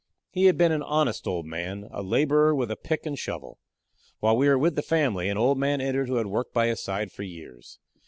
He had been an honest old man, a laborer with a pick and shovel. While we were with the family an old man entered who had worked by his side for years.